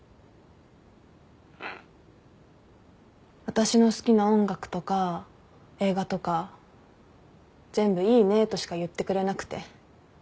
私の好きな音楽とか映画とか全部いいねとしか言ってくれなくて。